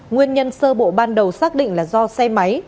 nguyên nhân sơ bộ ban đầu xác định là do xe máy